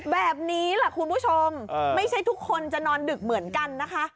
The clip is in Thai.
แบบนี้แหละคุณผู้ชมไม่ใช่ทุกคนจะนอนดึกเหมือนกันนะคะ